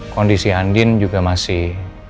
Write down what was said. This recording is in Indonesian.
kondisi andin juga masih